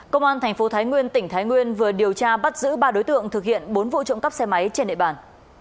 công an tp thái nguyên tỉnh thái nguyên vừa điều tra bắt giữ ba đối tượng thực hiện bốn vụ trộm cắp xe máy trên nệ bản